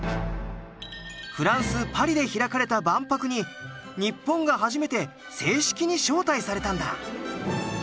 フランスパリで開かれた万博に日本が初めて正式に招待されたんだ。